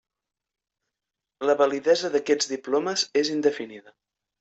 La validesa d'aquests diplomes és indefinida.